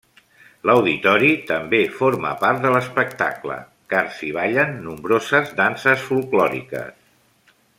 L'auditori també forma part de l'espectacle, car s'hi ballen nombroses danses folklòriques.